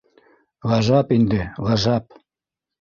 Ғәжәп инде, ғәжәп...